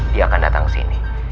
dia akan datang kesini